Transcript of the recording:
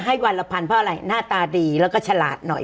ให้วันละพันเพราะอะไรหน้าตาดีแล้วก็ฉลาดหน่อย